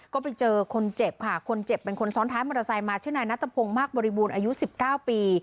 ก็ไปเจอคนเจ็บค่ะคนเจ็บเป็นคนซ้อนท้ายมอเตอร์ไซค์มาชื่อนายนัทพงศ์มากบริบูรณ์อายุ๑๙ปี